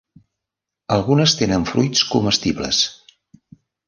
Algunes tenen fruits comestibles.